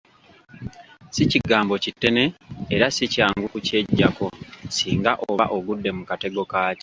Si kigambo kitene era si kyangu ku ky'eggyako singa oba ogudde mu katego kaakyo.